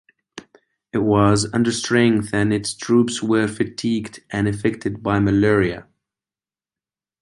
It was understrength and its troops were fatigued and affected by malaria.